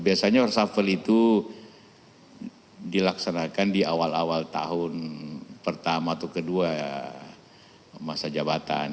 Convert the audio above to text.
biasanya warsafel itu dilaksanakan di awal awal tahun pertama atau kedua masa jabatan